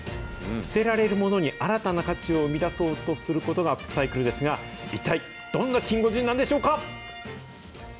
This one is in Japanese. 捨てられるものに新たな価値を生み出そうとすることがアップサイクルですが、一体どんなキンゴジンなんでしょうか。